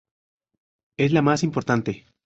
Es la más importante.